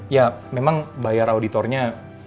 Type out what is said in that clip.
ya memang bayar auditornya